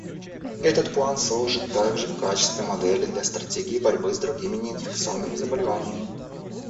Этот план служит также в качестве модели для стратегий борьбы с другими неинфекционными заболеваниями.